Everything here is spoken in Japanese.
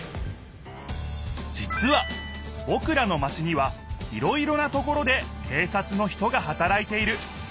じつはぼくらのマチにはいろいろなところで警察の人がはたらいている。